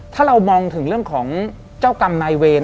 ถ้าเรามองถึงเรื่องของเจ้ากรรมนายเวร